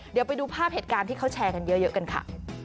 เดี๋ยวไปดูภาพเหตุการณ์ที่เขาแชร์กันเยอะกันค่ะ